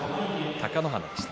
貴乃花関でした。